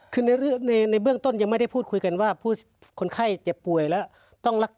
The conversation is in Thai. คือในเบื้องต้นยังไม่ได้พูดคุยกันว่าผู้คนไข้เจ็บป่วยแล้วต้องรักษา